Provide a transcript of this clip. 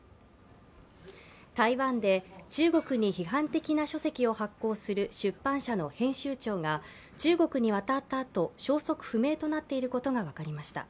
台湾で中国に批判的な書籍を発行する出版社の編集長が中国の渡ったあと消息不明となっていることが分かりました。